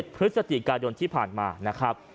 พฤศจิกายนที่ผ่านมานะครับ